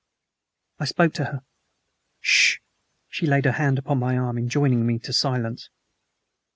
I spoke to her. "S SH!" She laid her hand upon my arm, enjoining me to silence.